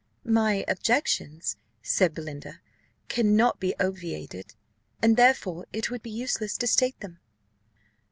"My objections," said Belinda, "cannot be obviated, and therefore it would be useless to state them."